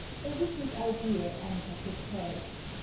A wicked idea entered his head.